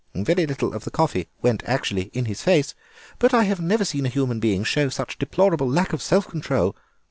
Very little of the coffee went actually in his face, but I have never seen a human being show such deplorable lack of self control.